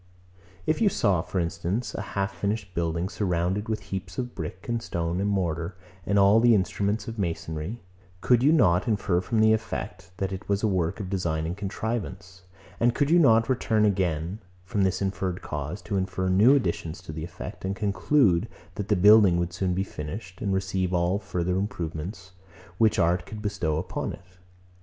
If you saw, for instance, a half finished building, surrounded with heaps of brick and stone and mortar, and all the instruments of masonry; could you not infer from the effect, that it was a work of design and contrivance? And could you not return again, from this inferred cause, to infer new additions to the effect, and conclude, that the building would soon be finished, and receive all the further improvements, which art could bestow upon it?